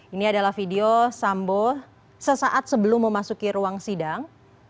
ini adalah video sambo sesaat sebelum memasuki ruang sidang